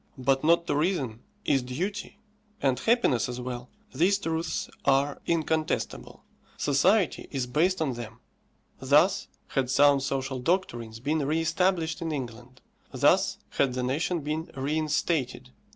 But not to reason is duty; and happiness as well. These truths are incontestable; society is based on them. Thus had sound social doctrines been re established in England; thus had the nation been reinstated.